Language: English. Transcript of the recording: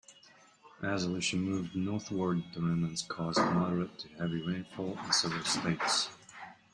As Alicia moved northward, the remnants caused moderate to heavy rainfall in several states.